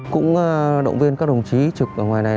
cũng động viên các đồng chí trực ở ngoài này